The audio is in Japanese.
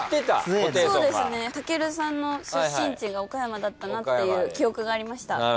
たけるさんの出身地が岡山だったなっていう記憶がありました。